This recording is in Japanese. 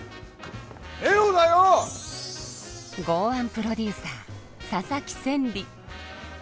豪腕プロデューサー佐々木千里。